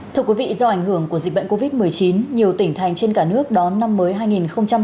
thưa quý vị do ảnh hưởng của dịch bệnh covid một mươi chín nhiều tỉnh thành trên cả nước đón năm mới hai nghìn hai mươi